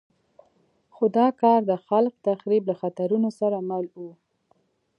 خو دا کار د خلاق تخریب له خطرونو سره مل وو.